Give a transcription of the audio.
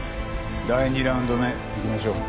第２ラウンド目いきましょう。